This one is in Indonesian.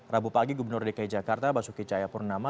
rabu pagi gubernur dki jakarta basuki caya purnama